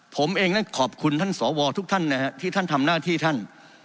ผมเองนั้นขอบคุณท่านสวทุกท่านนะฮะที่ท่านทำหน้าที่ท่าน